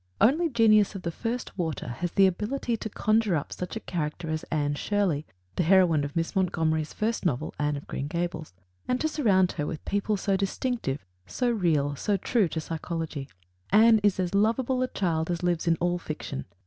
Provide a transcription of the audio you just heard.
Only genius of the first water has the ability to conjure up such a character as Anne Shirley, the heroine of Miss Montgomery's first novel, "Anne of Green Gables," and to surround her with people so distinctive, so real, so true to psychology. Anne is as lovable a child as lives in all fiction.